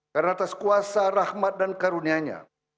karena atas kuasa rahmat dan karunianya